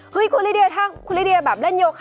เฮ้ยคุณลิเดียถ้าคุณลิเดียแบบเล่นโยคะ